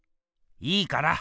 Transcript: いいから。